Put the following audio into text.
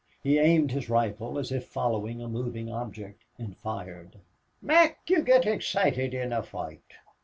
He aimed his rifle as if following a moving object, and fired. "Mac, you git excited in a foight.